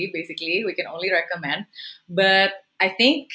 kita hanya bisa menarik